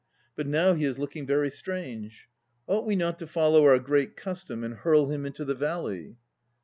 But now he is looking very strange. Ought we not to follow our Great Custom and hurl him into the valley?